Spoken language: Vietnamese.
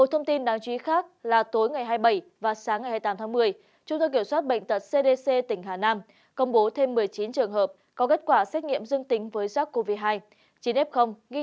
hãy đăng ký kênh để ủng hộ kênh của chúng mình nhé